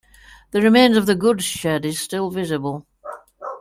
The remains of the goods shed is still visible.